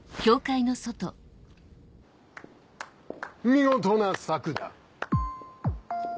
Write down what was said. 見事な策だ。